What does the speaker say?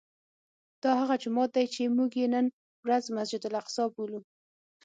دا هغه جومات دی چې موږ یې نن ورځ مسجد الاقصی بولو.